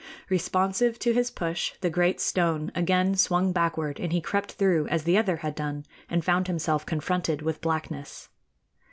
Responsive to his push, the great stone again swung backward and he crept through as the other had done and found himself confronted with blackness.